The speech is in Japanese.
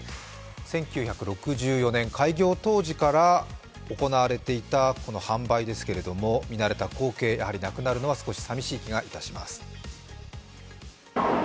１９６４年開業当時から行われていた販売ですけれども、見慣れた光景、やはりなくなるのは少し寂しい気がいたします。